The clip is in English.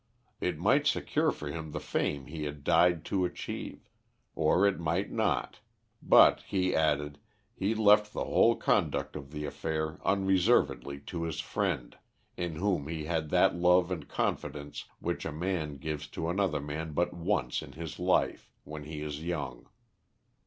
It might secure for him the fame he had died to achieve, or it might not; but, he added, he left the whole conduct of the affair unreservedly to his friend, in whom he had that love and confidence which a man gives to another man but once in his life when he is young.